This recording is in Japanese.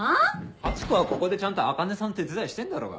ハチ子はここでちゃんと茜さんの手伝いしてんだろうが。